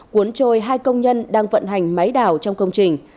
cuốn trôi hai công nhân đang vận hành máy đào trong công trình